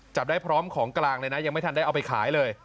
จับได้พร้อมของกลางเลยนะยังไม่ทันได้เอาไปขายเลย